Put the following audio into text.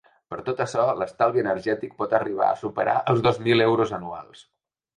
Per tot açò, l’estalvi energètic pot arribar a superar els dos mil euros anuals.